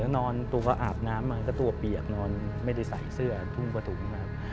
นอนตัวก็อาบน้ำมันก็ตัวเปียกนอนไม่ได้ใส่เสื้อทุ่งกระถุงนะครับ